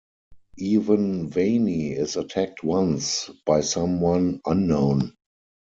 Even Vani is attacked once by someone unknown.